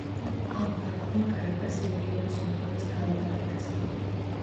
ამ ფაქტმა, კარაკასი რეგიონის უმთავრეს ქალაქად აქცია.